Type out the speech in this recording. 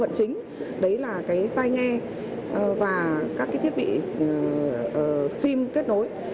các thiết bị này đều có hai bộ phận chính đấy là tai nghe và các thiết bị sim kết nối